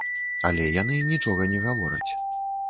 Але яны нічога не гавораць.